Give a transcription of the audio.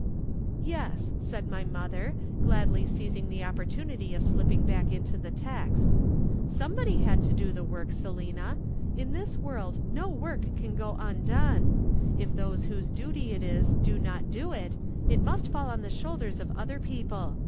"'Yes,' said my mother, gladly seizing the opportunity of slipping back into the text. 'Somebody had to do the work, Selina. In this world no work can go undone. If those whose duty it is do not do it, it must fall on the shoulders of other people.